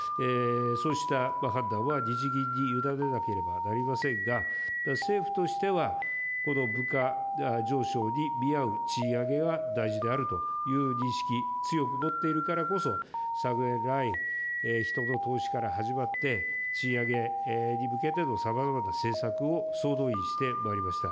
そうした判断は日銀にゆだねなければなりませんが、政府としては、物価上昇に見合う賃上げが大事であるという認識、強く持っているからこそ、昨年来、人の投資から始まって、賃上げに向けてのさまざまな政策を総動員してまいりました。